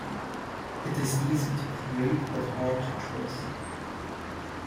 It is easy to create but hard to trust.